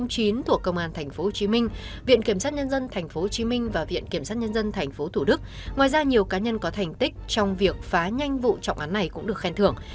thuộc công an tp hcm viện kiểm sát nhân dân tp hcm và viện kiểm sát nhân dân tp thủ đức ngoài ra nhiều cá nhân có thành tích trong việc phá nhanh vụ trọng án này cũng được khen thưởng